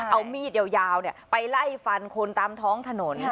เอามีดยาวไปไล่ฟันคนตามท้องถนน